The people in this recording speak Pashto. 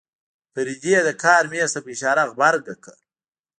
فريدې د کار مېز ته په اشاره غبرګه کړه.